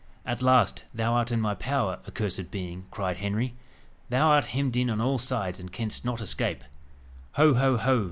"At last, thou art in my power, accursed being!" cried Henry. "Thou art hemmed in on all sides, and canst not escape!" "Ho! ho! ho!"